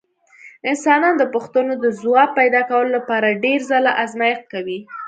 انسانان د پوښتنو د ځواب پیدا کولو لپاره ډېر ځله ازمېښت کوي.